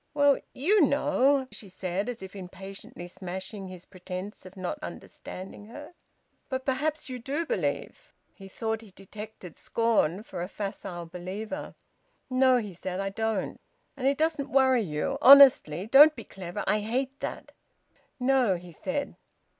"Well you know!" she said, as if impatiently smashing his pretence of not understanding her. "But perhaps you do believe?" He thought he detected scorn for a facile believer. "No," he said, "I don't." "And it doesn't worry you? Honestly? Don't be clever! I hate that!" "No," he said.